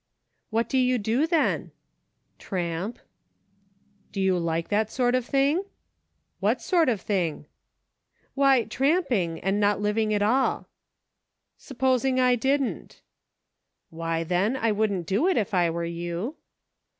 " What do you do, then ?" "Tiamp." " Do you like that sort of thing ?"" What sort of thing >"" Why, tramping, and not living at all." " S'posing I didn't ?" "Why, then, I wouldn't do it if I were you."